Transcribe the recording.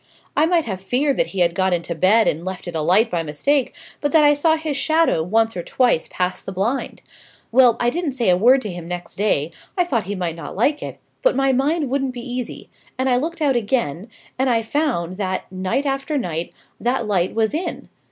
I might have feared that he had got into bed and left it alight by mistake, but that I saw his shadow once or twice pass the blind. Well, I didn't say a word to him next day, I thought he might not like it: but my mind wouldn't be easy, and I looked out again, and I found that, night after night, that light was in.